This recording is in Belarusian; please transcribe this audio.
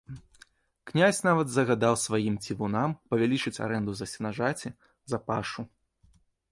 Князь нават загадаў сваім цівунам павялічыць арэнду за сенажаці, за пашу.